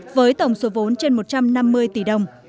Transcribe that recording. với tổng số vốn trên một trăm năm mươi tỷ đồng